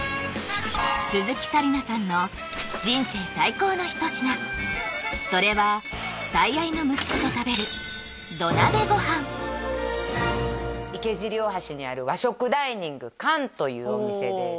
鈴木紗理奈さんの人生最高の一品それは最愛の息子と食べる池尻大橋にある和食ダイニングＫＡＮというお店です